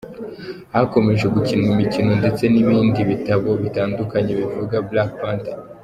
Hakomeje gukinwa imikino ndetse n’ibindi bitabo bitandukanye bivuga Black Panther.